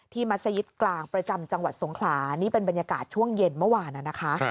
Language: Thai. มัศยิตกลางประจำจังหวัดสงขลานี่เป็นบรรยากาศช่วงเย็นเมื่อวานนะคะ